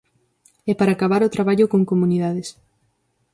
E para acabar, o traballo con comunidades.